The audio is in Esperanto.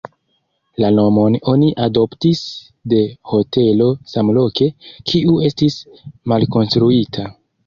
La nomon oni adoptis de hotelo samloke, kiu estis malkonstruita.